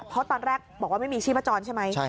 เพราะตอนแรกบอกว่าไม่มีชีพจรใช่ไหม